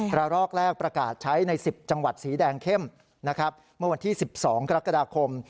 กราลอกแรกประกาศใช้ใน๑๐จังหวัดสีแดงเข้มวันที่๑๒กรกฎาคม